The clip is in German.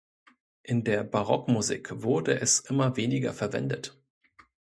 In der Barockmusik wurde es immer weniger verwendet.